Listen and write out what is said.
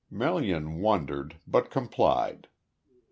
Melian wondered, but complied.